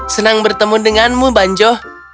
senang bertemu denganmu banjo